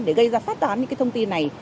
để gây ra phát tán những cái thông tin này